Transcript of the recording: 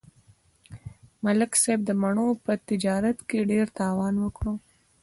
ملک صاحب د مڼو په تجارت کې ډېر تاوان وکړ